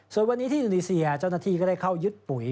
ส่วนวันนี้ที่อินโดนีเซียเจ้าหน้าที่ก็ได้เข้ายึดปุ๋ย